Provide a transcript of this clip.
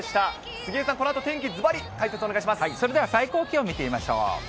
杉江さん、このあと天気、ずばりそれでは最高気温見てみましょう。